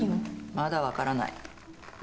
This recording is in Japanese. まだわからない。